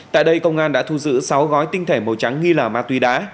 tại đây công an đã thu giữ sáu gói tinh thể màu trắng nghi là ma túy đá